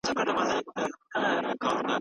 کيدای سي سبا د کار زمینه برابره سي.